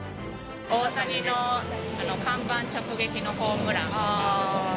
大谷の看板直撃のホームラン。